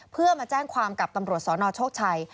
เพื่อมาแจ้งความกับตำรวจสนโชคชัย